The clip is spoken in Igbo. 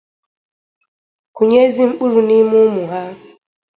kụnye ezi mkpụrụ n'ime ụmụ ha